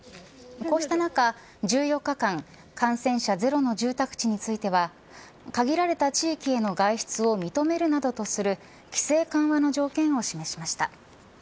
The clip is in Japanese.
こうした中１４日間感染者ゼロの住宅地については限られた地域への外出を認めるなどとする規制緩和の条件を示しました。